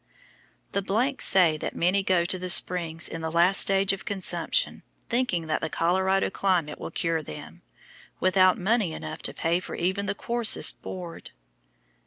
The s say that many go to the Springs in the last stage of consumption, thinking that the Colorado climate will cure them, without money enough to pay for even the coarsest board.